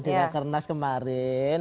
dengan kernas kemarin